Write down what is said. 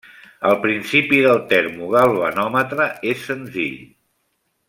El principi del termo galvanòmetre és senzill.